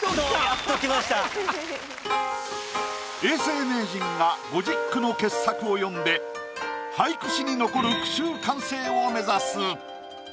やっと永世名人が５０句の傑作を詠んで俳句史に残る句集完成を目指す。